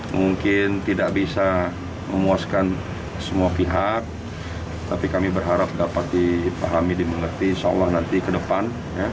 mungkin tidak bisa memuaskan semua pihak tapi kami berharap dapat dipahami dimengerti insya allah nanti ke depan